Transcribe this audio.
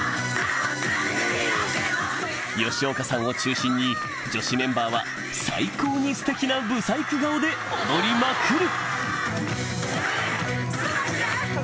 吉岡さんを中心に女子メンバーは最高にステキなブサイク顔で踊りまくる！